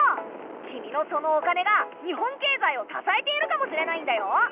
君のそのお金が日本経済を支えているかもしれないんだよ。